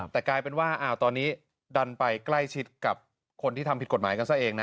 แต่กลายเป็นว่าตอนนี้ดันไปใกล้ชิดกับคนที่ทำผิดกฎหมายกันซะเองนะ